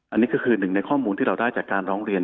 อันนี้ก็คือหนึ่งในข้อมูลที่เราได้จากการร้องเรียน